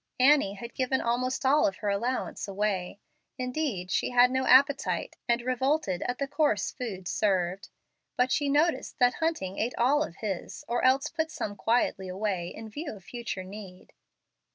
Annie had given almost all of her allowance away. Indeed she had no appetite, and revolted at the coarse food served. But she noticed that Hunting ate all of his, or else put some quietly away, in view of future need.